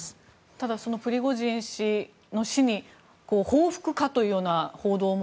ただ、プリゴジン氏の死に報復か？という報道も。